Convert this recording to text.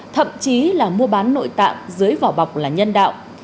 thậm chí là mua bán nội tạng dưới vỏ bọc là nhân đạo